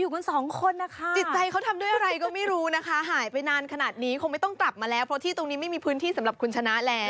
ก็ไม่รู้นะคะหายไปนานขนาดนี้คงไม่ต้องกลับมาแล้วเพราะที่ตรงนี้ไม่มีพื้นที่สำหรับขุนชนะแล้ว